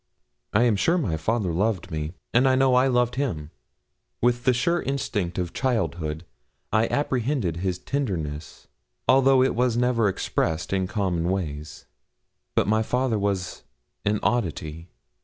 I am sure my father loved me, and I know I loved him. With the sure instinct of childhood I apprehended his tenderness, although it was never expressed in common ways. But my father was an oddity.